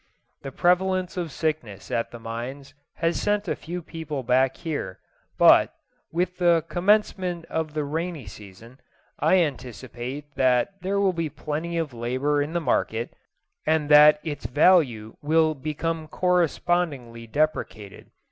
The prevalence of sickness at the mines has sent a few people back here; but, with the commencement of the rainy season, I anticipate that there will be plenty of labour in the market, and that its value will become correspondingly depreciated.